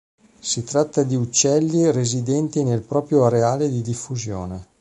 Si tratta di uccelli residenti nel proprio areale di diffusione.